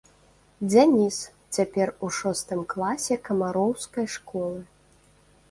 Дзяніс, цяпер у шостым класе камароўскай школы.